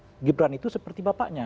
tapi melihat gibran itu seperti bapaknya